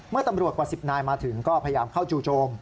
เมื่อตำรวจกว่า๑๐นายมาถึงก็พยายามเข้าจู่โจม